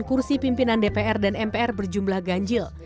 kursi pimpinan dpr dan mpr berjumlah ganjil